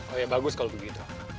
oh ya bagus kalau begitu